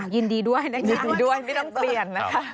ยินดีด้วยไม่ต้องเปลี่ยน